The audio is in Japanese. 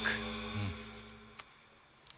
うん！